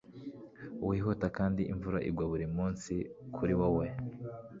Wihuta kandi imvura igwa buri munsi kuri wowe